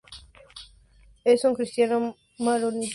Él es un cristiano maronita.